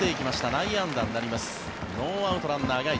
内野安打になります。